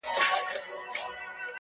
سونډان مي وسوځېدل_